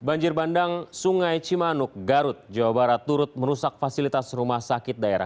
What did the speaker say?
banjir bandang sungai cimanuk garut jawa barat turut merusak fasilitas rumah sakit daerah